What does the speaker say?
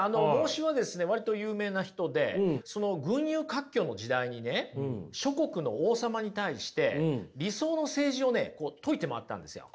孟子は割と有名な人でその群雄割拠時代に諸国の王様に対して理想の政治を説いて回ったんですよ。